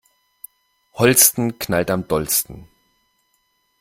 Holsten knallt am dollsten.